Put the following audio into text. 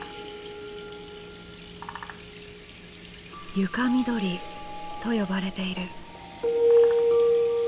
「床みどり」と呼ばれている。